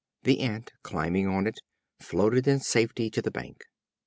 The Ant, climbing on to it, floated in safety to the bank.